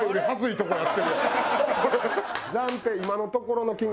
暫定今のところの金額